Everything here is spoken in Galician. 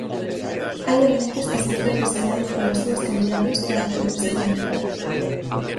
Hai alimentos que semellan deseñados polas súas calidades para poder sobrevivir.